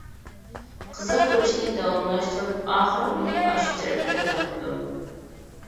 قىزىقتۇرۇشنى داۋاملاشتۇرۇپ، ئاخىر ئۇنى ئاشۇ تەرەپكە تارتىدۇ.